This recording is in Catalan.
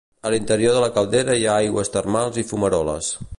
A l'interior de la caldera hi ha aigües termals i fumaroles.